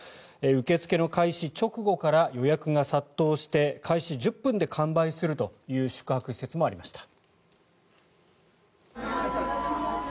受け付けの開始直後から予約が殺到して開始１０分で完売するという宿泊施設もありました。